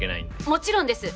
もちろんです。